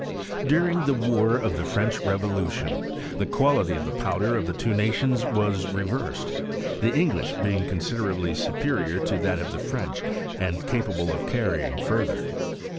During the war of the French revolution, the quality of the powder of the two nations was reversed; the English being considerably superior to that of the French, and capable of carrying further.